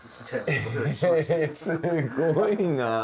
すごいな。